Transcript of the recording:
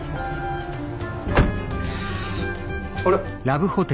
あれ？